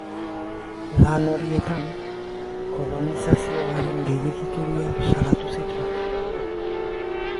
Lan horietan, kolonizazioaren gehiegikeriak salatu zituen.